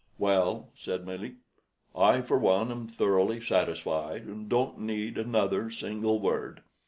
"Well," said Melick, "I for one am thoroughly satisfied, and don't need another single word.